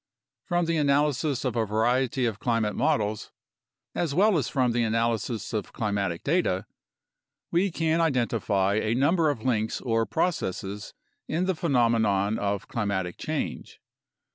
From the analysis of a variety of climate models, as well as from the analysis of climatic data, we can identify a number of links or processes in the phenomenon of climatic change.